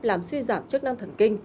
làm suy giảm chức năng thần kinh